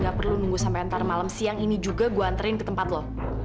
gak perlu nunggu sampe ntar malam siang ini juga gue anterin ke tempat lo